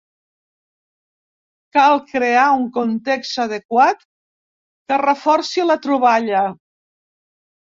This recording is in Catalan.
Cal crear un context adequat que reforci la troballa.